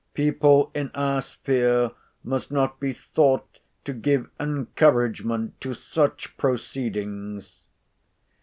"People in our sphere must not be thought to give encouragement to such proceedings."